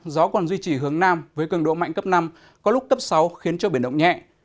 gió còn duy trì hướng nam với cường độ mạnh cấp năm có lúc cấp sáu khiến cho biển động nhẹ